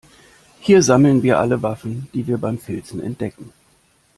Hier sammeln wir alle Waffen, die wir beim Filzen entdecken.